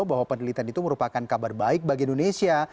bahwa penelitian itu merupakan kabar baik bagi indonesia